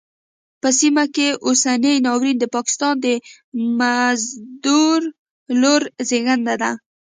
په سیمه کې اوسنی ناورین د پاکستان د مزدور رول زېږنده ده.